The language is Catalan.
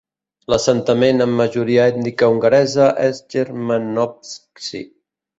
L'assentament amb majoria ètnica hongaresa, és Jermenovci.